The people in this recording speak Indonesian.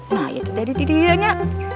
nah itu tadi didinya